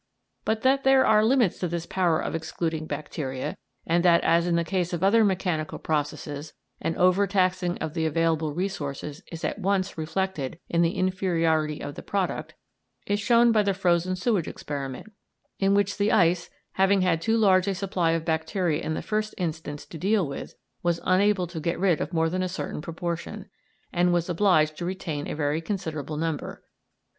But that there are limits to this power of excluding bacteria, and that, as in the case of other mechanical processes, an overtaxing of the available resources is at once reflected in the inferiority of the product, is shown by the frozen sewage experiment, in which the ice, having had too large a supply of bacteria in the first instance to deal with, was unable to get rid of more than a certain proportion, and was obliged to retain a very considerable number.